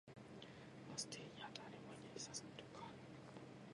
バス停には誰もいない。さっきと変わらなかった。